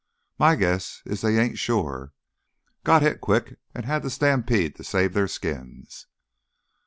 "My guess is they ain't sure. Got hit quick an' had to stampede to save their skins."